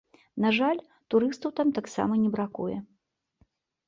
На жаль, турыстаў там таксама не бракуе.